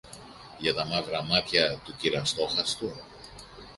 Για τα μαύρα μάτια του κυρ-Αστόχαστου;